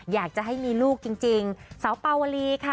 อยากจะให้มีลูกจริงสาวปาวลีค่ะ